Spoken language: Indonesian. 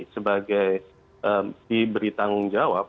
sebagai diberi tanggung jawab